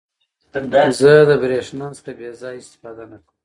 زه د برېښنا څخه بې ځایه استفاده نه کوم.